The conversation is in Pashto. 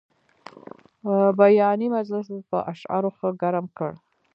بیاباني مجلس په اشعارو ښه ګرم کړ.